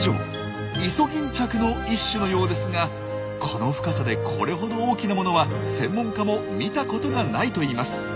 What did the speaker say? イソギンチャクの一種のようですがこの深さでこれほど大きなものは専門家も見たことがないといいます。